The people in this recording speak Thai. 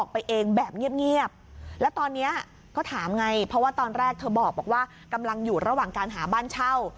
เพราะว่าตอนแรกเธอบอกว่ากำลังอยู่ระหว่างการหาบ้านเช่า